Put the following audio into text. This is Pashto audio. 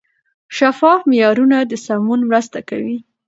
شفاف معیارونه د سمون مرسته کوي.